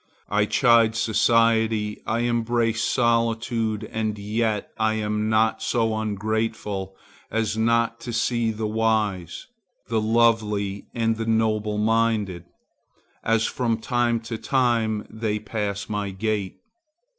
I chide society, I embrace solitude, and yet I am not so ungrateful as not to see the wise, the lovely and the noble minded, as from time to time they pass my gate.